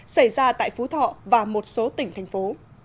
xảy ra tại phú thọ và một số tỉnh thành phố